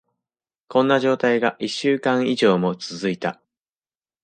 こんな状態が一週間以上も続いた。